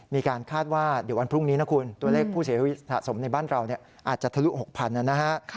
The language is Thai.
มีการคาดว่าเดี๋ยววันพรุ่งนี้นะคุณตัวเลขผู้เสียชีวิตสะสมในบ้านเราอาจจะทะลุ๖๐๐นะฮะ